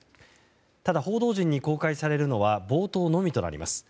ただ報道陣に公開されるのは冒頭のみとなります。